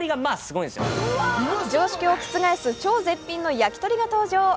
常識を覆す超絶品の焼きとりが登場。